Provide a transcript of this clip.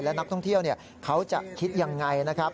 และนักท่องเที่ยวเขาจะคิดยังไงนะครับ